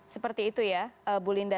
seperti itu ya bu linda